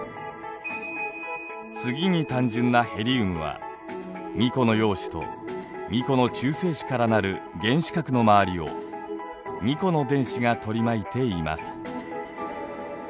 次に単純なヘリウムは２個の陽子と２個の中性子から成る原子核の周りを２個の電子が取り巻いています。